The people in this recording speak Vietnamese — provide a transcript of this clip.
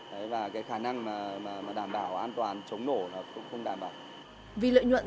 đấy và cái khả năng mà đảm bảo an toàn chống nổ là cũng không đảm bảo